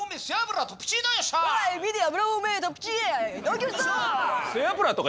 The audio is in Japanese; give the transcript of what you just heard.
はい！